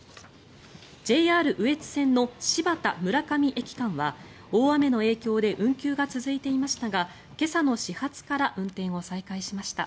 ＪＲ羽越線の新発田村上駅間は大雨の影響で運休が続いていましたが今朝の始発から運転を再開しました。